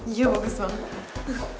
iya bagus banget